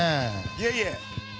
いえいえ。